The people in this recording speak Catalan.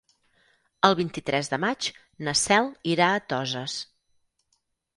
El vint-i-tres de maig na Cel irà a Toses.